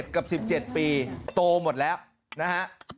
กับ๑๗ปีโตหมดแล้วนะฮะ